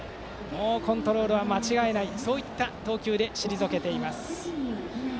もうコントロールは間違えないそういった投球で退けています。